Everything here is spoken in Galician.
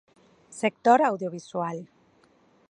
Sector audiovisual.